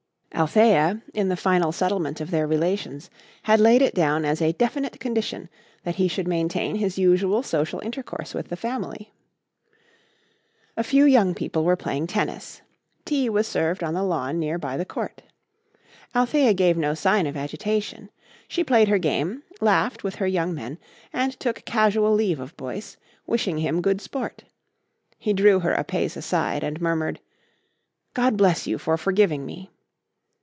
Althea, in the final settlement of their relations, had laid it down as a definite condition that he should maintain his usual social intercourse with the family. A few young people were playing tennis. Tea was served on the lawn near by the court. Althea gave no sign of agitation. She played her game, laughed with her young men, and took casual leave of Boyce, wishing him good sport. He drew her a pace aside and murmured: "God bless you for forgiving me."